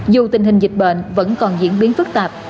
dù tình hình dịch bệnh vẫn còn diễn biến phức tạp